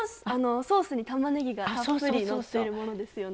ソースにたまねぎがたっぷりのってるものですよね。